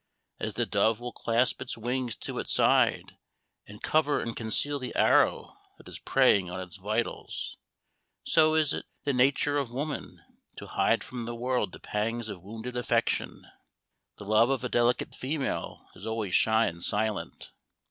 As the dove will clasp its wings to its side, and cover and conceal the arrow that is preying on its vitals so is it the nature of woman, to hide from the world the pangs of wounded affection. The love of a delicate female is always shy and silent.